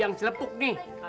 yang celepuk nih